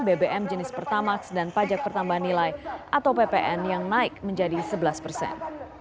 bbm jenis pertamax dan pajak pertambahan nilai atau ppn yang naik menjadi sebelas persen